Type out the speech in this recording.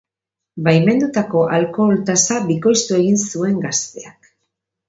Baimendutako alkohol tasa bikoiztu egin zuen gazteak.